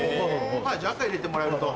じゃ赤入れてもらえると。